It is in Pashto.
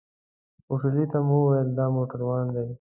هوټلي ته مو وويل دا موټروان دی.